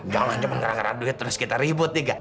jangan aja ngerang ngerang duit terus kita ribut ya kak